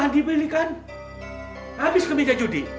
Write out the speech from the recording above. habis kemincah judi